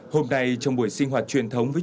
hôm nay trong buổi sinh hoạt truyền thống